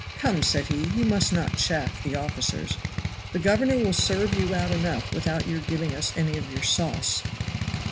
"Come," said he, "you must not chaff the officers. The governor will serve you out enough without your giving us any of your sauce."